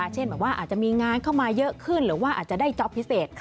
เช่นแบบว่าอาจจะมีงานเข้ามาเยอะขึ้นหรือว่าอาจจะได้จ๊อปพิเศษ